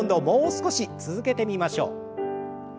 もう少し続けてみましょう。